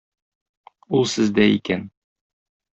Ул сездә икән.